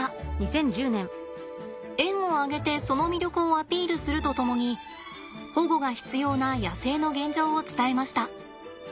園を挙げてその魅力をアピールするとともに保護が必要な野生の現状を伝えました。